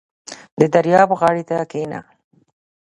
• د دریاب غاړې ته کښېنه.